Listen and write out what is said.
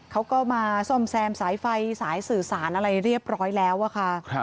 เขาก็มาซ่อมแซมสายไฟสายสื่อสารอะไรเรียบร้อยแล้วอะค่ะ